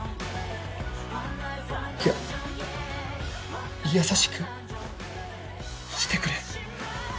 や優しくしてくれ。